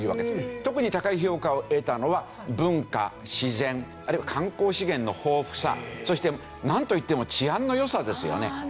特に高い評価を得たのは文化自然あるいは観光資源の豊富さそしてなんといっても治安の良さですよね。